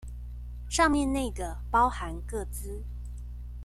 上面那個包含個資